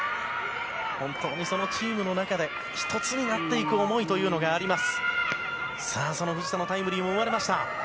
本当に、そのチームの中で１つになっていく思いがあります。